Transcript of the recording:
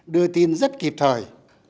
đưa tin rất kịp thời